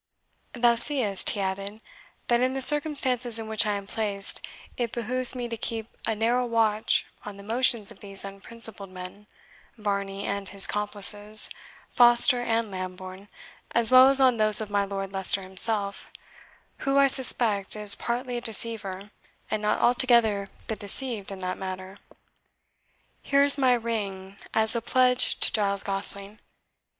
"Thou seest," he added, "that, in the circumstances in which I am placed, it behoves me to keep a narrow watch on the motions of these unprincipled men, Varney and his complices, Foster and Lambourne, as well as on those of my Lord Leicester himself, who, I suspect, is partly a deceiver, and not altogether the deceived in that matter. Here is my ring, as a pledge to Giles Gosling.